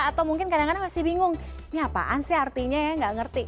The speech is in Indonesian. atau mungkin kadang kadang masih bingung ini apaan sih artinya ya nggak ngerti